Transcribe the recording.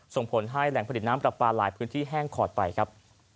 ส่งผลให้แหล่งผลิตน้ำปลาปลาหลายพื้นที่แห้งขอดไปครับ